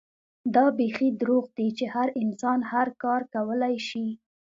دا بيخي دروغ دي چې هر انسان هر کار کولے شي